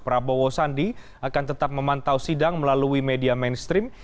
prabowo sandi akan tetap memantau sidang melalui media mainstream